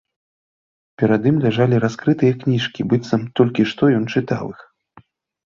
Перад ім ляжалі раскрытыя кніжкі, быццам толькі што ён чытаў іх.